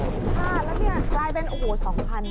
แล้วนี่ใกล้เป็น๒คัน